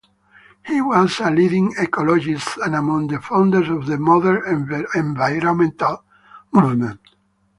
He was a leading ecologist and among the founders of the modern environmental movement.